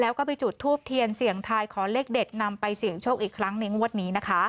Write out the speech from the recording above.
แล้วก็ไปจุดทูบเทียนเสี่ยงทายขอเลขเด็ดนำไปเสี่ยงโชคอีกครั้งในงวดนี้นะคะ